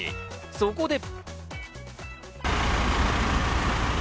そこで。